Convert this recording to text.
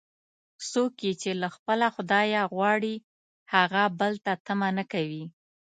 څوک یې چې له خپله خدایه غواړي، هغه بل ته طمعه نه کوي.